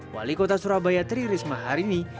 wali kota surabaya tri risma hari ini